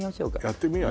やってみよう。